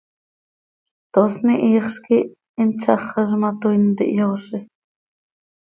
Tosni hiixz quih hin tzaxaz ma, toii ntihyoozi.